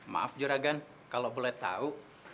maaf juragan kalau boleh tahu